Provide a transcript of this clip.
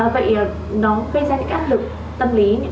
vậy nó gây ra những ác lực tâm lý những khó khăn nào cho giáo viên ạ